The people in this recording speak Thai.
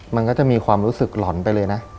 มันก็จะมีความรู้สึกหล่อนไปเลยนะ